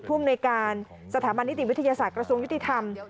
ภูมิในการสถาบันนิติวิทยาศาสตร์กระทรวงยุติธรรม